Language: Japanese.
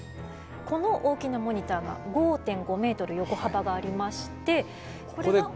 この大きなモニターが５．５メートル横幅がありましてこれが。